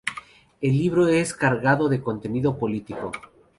El libro es de cargado contenido político.